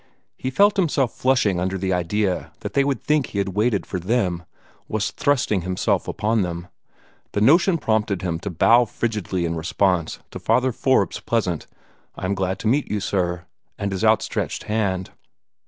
He felt himself flushing under the idea that they would think he had waited for them was thrusting himself upon them. The notion prompted him to bow frigidly in response to Father Forbes' pleasant "I am glad to meet you, sir," and his outstretched hand.